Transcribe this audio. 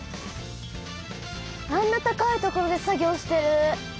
あんな高い所で作業してる。